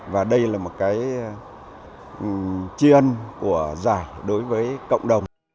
và đây là một cái chiên của giải đối với cộng đồng